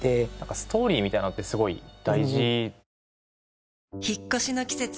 ストーリーみたいなのってすごい大事。